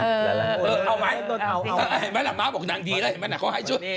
เออเอาไหมนางบอกนางดีเลยนางเขาให้ชุด